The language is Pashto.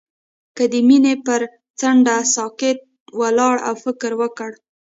هغه د مینه پر څنډه ساکت ولاړ او فکر وکړ.